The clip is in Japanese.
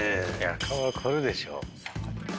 顔は凝るでしょ。